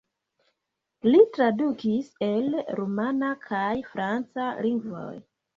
Li tradukis el rumana kaj franca lingvoj.